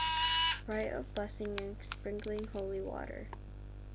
Rite of Blessing and Sprinkling Holy Water: